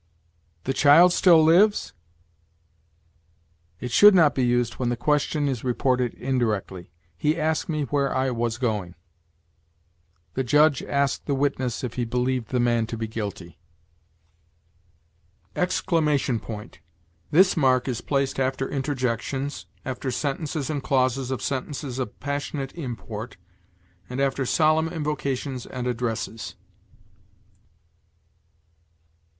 "The child still lives?" It should not be used when the question is reported indirectly. "He asked me where I was going." "The Judge asked the witness if he believed the man to be guilty." EXCLAMATION POINT. This mark is placed after interjections, after sentences and clauses of sentences of passionate import, and after solemn invocations and addresses.